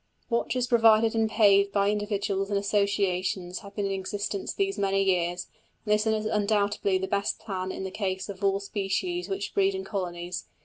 Watchers provided and paid by individuals and associations have been in existence these many years, and this is undoubtedly the best plan in the case of all species which breed in colonies.